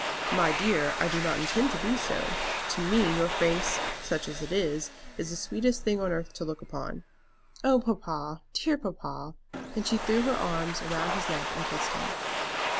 "My dear, I do not intend to be so. To me your face, such as it is, is the sweetest thing on earth to look upon." "Oh, papa; dear papa!" and she threw her arms round his neck and kissed him.